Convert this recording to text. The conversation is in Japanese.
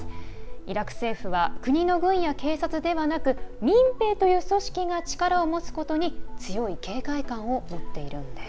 イラク政府は国の軍や警察ではなく民兵という組織が力を持つことに強い警戒感を持っているんです。